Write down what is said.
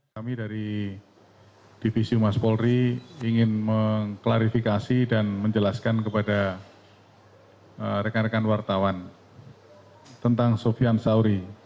kami dari divisi umas polri ingin mengklarifikasi dan menjelaskan kepada rekan rekan wartawan tentang sofian sauri